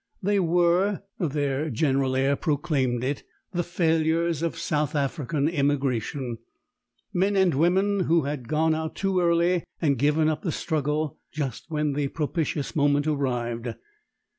They were their general air proclaimed it the failures of South African immigration; men and women who had gone out too early and given up the struggle just when the propitious moment arrived.